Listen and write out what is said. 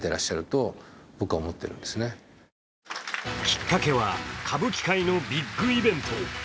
きっかけは歌舞伎界のビッグイベント。